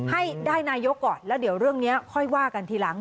ให้ได้นายกก่อนแล้วเดี๋ยวเรื่องนี้ค่อยว่ากันทีหลัง